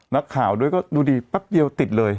นักข่าวด้วยก็ดูดีแป๊บเดียวติดเลย